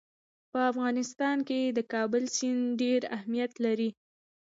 په افغانستان کې د کابل سیند ډېر اهمیت لري.